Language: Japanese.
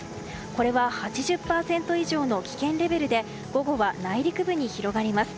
これは８０％以上の危険レベルで午後は内陸部に広がります。